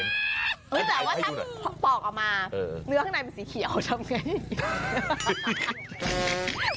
แต่ว่าถ้าปอกออกมาเนื้อข้างในเป็นสีเขียวทำไง